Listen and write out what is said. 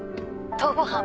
逃亡犯を？